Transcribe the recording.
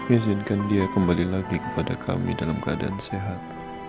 izinkan dia kembali lagi kepada kami dalam keadaan sehat